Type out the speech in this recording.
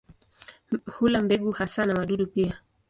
Hula mbegu hasa na wadudu pia.